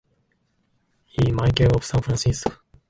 E. Mighell of San Francisco.